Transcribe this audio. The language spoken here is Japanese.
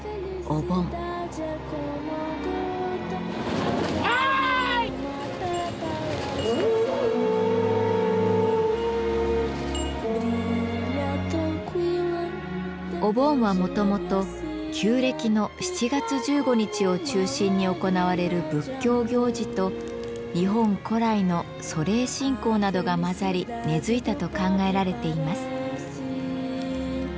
お盆はもともと旧暦の７月１５日を中心に行われる仏教行事と日本古来の祖霊信仰などが混ざり根づいたと考えられています。